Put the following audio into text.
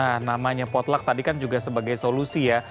nah namanya potluck tadi kan juga sebagai solusi ya